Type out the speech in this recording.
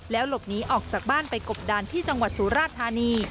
หลบหนีออกจากบ้านไปกบดานที่จังหวัดสุราชธานี